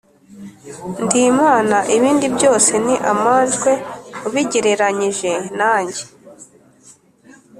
ndi imana, ibindi byose ni amanjwe ubigereranyije nanjye.